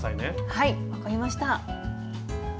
はい分かりました。